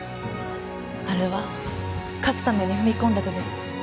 あれは勝つために踏み込んだ手です。